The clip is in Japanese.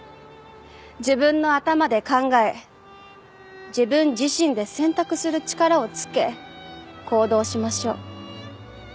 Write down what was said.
自分の頭で考え自分自身で選択する力をつけ行動しましょう。